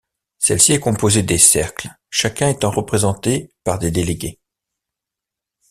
Celle-ci est composée des cercles, chacun étant représenté par des délégués.